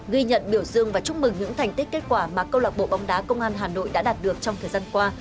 ghi nhận biểu dương và chúc mừng những thành tích kết quả mà câu lạc bộ bóng đá công an hà nội đã đạt được trong thời gian qua